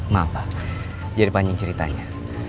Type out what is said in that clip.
maaf jadi panjang ceritanya